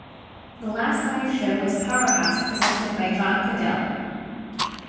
The last live show was Power House presented by John Caddell.